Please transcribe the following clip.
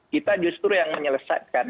kita justru yang menyelesaikan